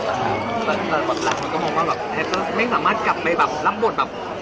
อีกละล่ะไม่สามารถกลับลำบทแบบ